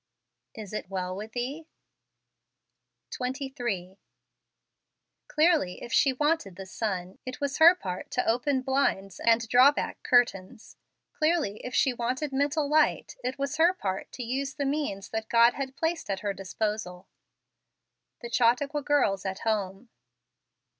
" Is it well with thee? " 24 FEBRUARY. 23. Clearly if she wanted the sun, it was her part to open blinds and draw back cur¬ tains; clearly if she wanted mental light, it was her part to use the means that God had placed at her disposal. The C'huutanqua Girls at Home.